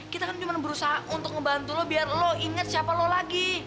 kita kan cuma berusaha untuk ngebantu lo biar lo inget siapa lo lagi